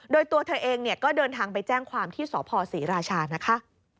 โดยตัวเธอเองก็เดินทางไปแจ้งความที่สพศรีราชานะคะ